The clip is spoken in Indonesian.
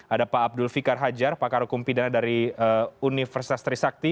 ada pak abdul fikar hajar pakar hukum pidana dari universitas trisakti